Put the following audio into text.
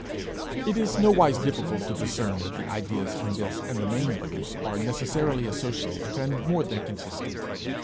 It is nowise difficult to discern that the ideas in this and the main use are necessarily associated and more than consistent.